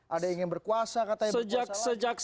ada yang berkuasa katanya berkuasa lagi